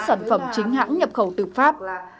sản phẩm chính hãng nhập khẩu từ pháp